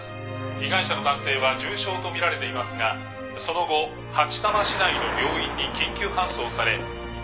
「被害者の男性は重傷と見られていますがその後八多摩市内の病院に緊急搬送され」